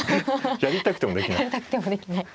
やりたくてもできない。